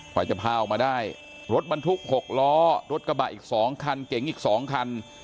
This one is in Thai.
กว่าจะพาออกมาได้รถบรรทุก๖ล้อรถกระบะอีก๒คันเก๋งอีก๒คัน